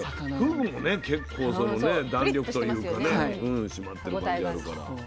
ふぐもね結構弾力というかね締まってる感じがあるから。